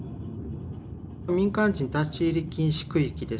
民間人立ち入り禁止区域です。